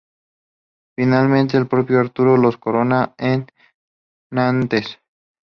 Finalmente, el propio Arturo los corona en Nantes.